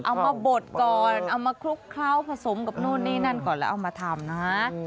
มาบดก่อนเอามาคลุกเคล้าผสมกับนู่นนี่นั่นก่อนแล้วเอามาทำนะ